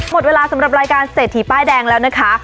หมดเวลาสำหรับรายการเศรษฐีป้ายแดงแล้วนะคะ